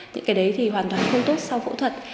những cái đấy thì hoàn toàn không tốt sau phẫu thuật